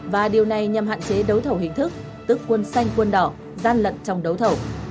và điều này nhằm hạn chế đấu thầu hình thức tức quân xanh quân đỏ gian lận trong đấu thầu